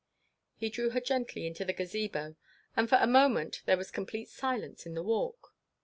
He drew her gently into the Gazebo, and for a moment there was complete silence in the Walk.